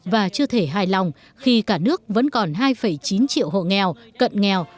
và chưa thể hài lòng khi cả nước vẫn còn hai chín triệu hộ nghèo cận nghèo